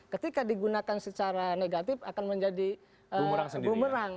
ketika digunakan secara negatif akan menjadi bumerang